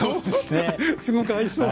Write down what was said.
すごく合いそう。